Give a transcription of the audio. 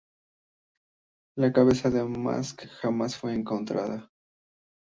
La cabeza de Mengsk jamás fue encontrada.